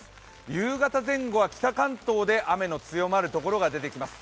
夕方前後は北関東で雨の強まるところが出てきます。